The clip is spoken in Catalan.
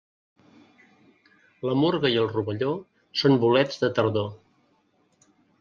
La murga i el rovelló són bolets de tardor.